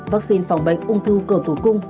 vaccine phòng bệnh ung thư cờ tủ cung